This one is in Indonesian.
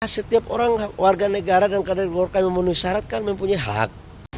setiap orang warga negara dan kader golkar yang memenuhi syarat kan mempunyai hak